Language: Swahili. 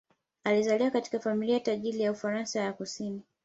Alizaliwa katika familia tajiri ya Ufaransa ya kusini.